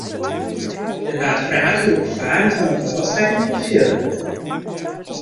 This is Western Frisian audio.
Der waard praat oer de gefaren fan it ôfstekken fan fjurwurk.